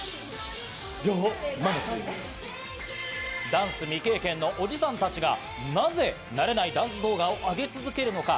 ダンス未経験のおじさんたちがなぜ慣れないダンス動画を上げ続けるのか？